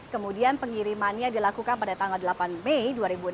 kemudian pengirimannya dilakukan pada tanggal delapan mei dua ribu enam belas